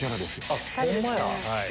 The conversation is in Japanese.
あっホンマや。